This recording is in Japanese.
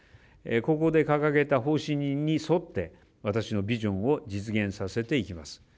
ここで掲げた方針に沿って私のビジョンを実現させていきます。